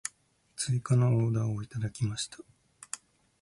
追加のオーダーをいただきました。